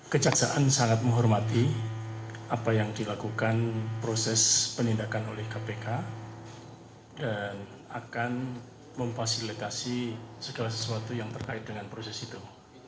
kejaksaan sangat menghormati apa yang dilakukan proses penindakan oleh kpk dan akan memfasilitasi segala sesuatu yang terkait dengan proses itu